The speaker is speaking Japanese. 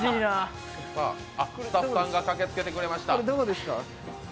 スタッフさんが駆けつけてくれました。